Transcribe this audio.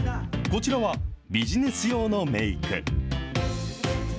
こちらは、ビジネス用のメーク。